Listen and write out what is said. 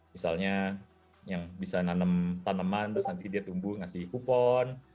misalnya yang bisa nanam tanaman terus nanti dia tumbuh ngasih kupon